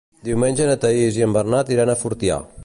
Diumenge na Thaís i en Bernat iran a Fortià.